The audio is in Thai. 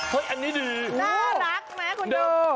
เฮ้ยอันนี้ดีดูน่ารักไหมคุณดู